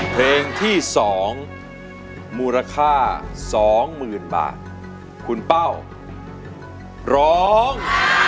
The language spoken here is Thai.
เพลงที่๒มูลค่าสองหมื่นบาทคุณเป้าร้อง